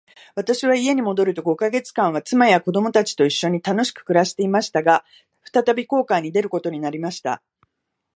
私は家に戻ると五ヵ月間は、妻や子供たちと一しょに楽しく暮していました。が、再び航海に出ることになりました。